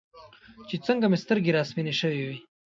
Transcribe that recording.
چې څنګه مې سترګې راسپینې شوې وې.